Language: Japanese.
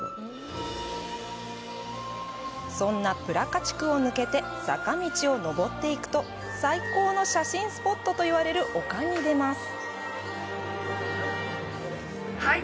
そんなプラカ地区を抜けて坂道を上っていくと最高の写真スポットといわれる丘に出ます。